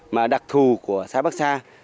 mà đặc thù của xã bắc sa